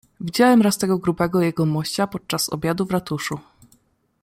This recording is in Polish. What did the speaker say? "Widziałem raz tego grubego jegomościa podczas obiadu w ratuszu."